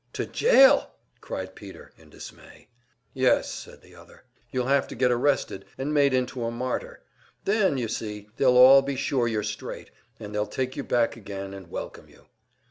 "To jail!" cried Peter, in dismay. "Yes," said the other, "you'll have to get arrested, and made into a martyr. Then, you see, they'll all be sure you're straight, and they'll take you back again and welcome you."